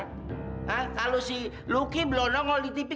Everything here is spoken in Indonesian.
kalau si luki belum nongol di tv